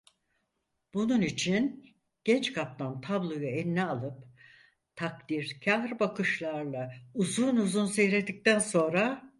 Bunun için, genç kaptan tabloyu eline alıp takdirkar bakışlarla uzun uzun seyrettikten sonra: